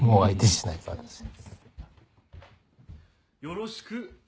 よろしく。